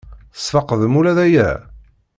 Tesfeqdem ula d aya?